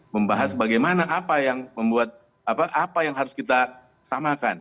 membahas bagaimana apa yang membuat apa yang harus kita samakan